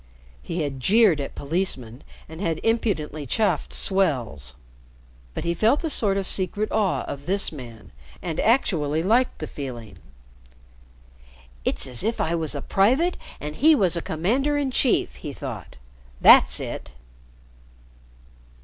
He had jeered at policemen and had impudently chaffed "swells," but he felt a sort of secret awe of this man, and actually liked the feeling. "It's as if I was a private and he was commander in chief," he thought. "That's it."